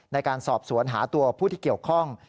ในการสอบสวนหาตัวผู้ที่เกี่ยวข้อง